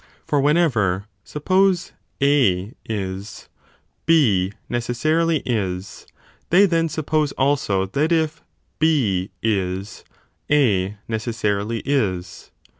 For whenever, suppose A is, B necessarily is, they then suppose also that if B is, A necessarily is.